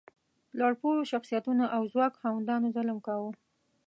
لوړ پوړو شخصیتونو او ځواک خاوندانو ظلم کاوه.